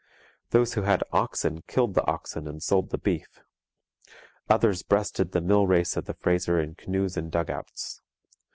Those who had oxen killed the oxen and sold the beef. Others breasted the mill race of the Fraser in canoes and dugouts.